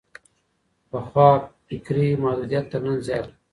پخوا فکري محدوديت تر نن زيات وو.